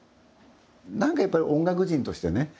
なんかやっぱり音楽人としてね